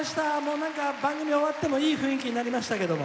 なんか番組終わってもいい雰囲気になりましたけど。